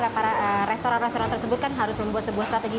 karena restoran restoran tersebut kan harus membuat sebuah strategi